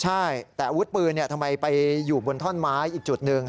ใช่แต่อาวุธปืนทำไมไปอยู่บนท่อนไม้อีกจุดหนึ่ง